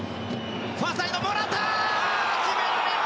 ファーサイド、もらった！